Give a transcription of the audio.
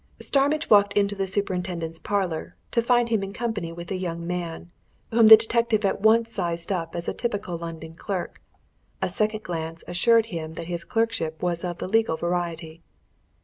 Starmidge walked into the superintendent's parlour, to find him in company with a young man, whom the detective at once sized up as a typical London clerk a second glance assured him that his clerkship was of the legal variety.